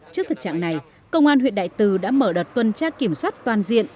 trước thực trạng này công an huyện đại từ đã mở đợt tuần tra kiểm soát toàn diện